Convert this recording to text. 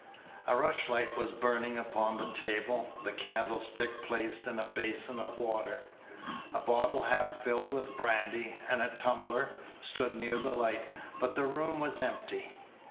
A rushlight was burning upon the table, the candlestick placed in a basin of water. A bottle half filled with brandy, and a tumbler, stood near the light; but the room was empty.